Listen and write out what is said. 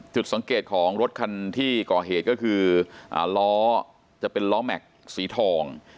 จุดสังเกตของรถคันที่ก่อเหตุก็คือล้อจะเป็นล้อแม็กซ์สีทอง